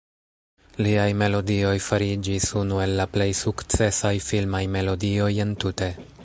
Liaj melodioj fariĝis unu el la plej sukcesaj filmaj melodioj entute.